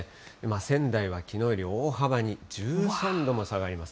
仙台はきのうより大幅に１３度も下がります。